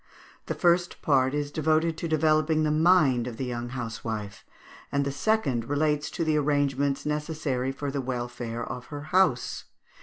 The first part is devoted to developing the mind of the young housewife; and the second relates to the arrangements necessary for the welfare of her house.